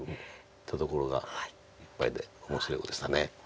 手どころがいっぱいで面白い碁でした。